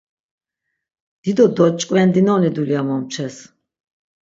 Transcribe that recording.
Dido doç̌ǩvendinoni dulya momçes.